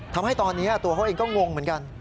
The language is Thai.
ทำให้ตอนนี้ตัวเขาเองก็งงเหมือนกัน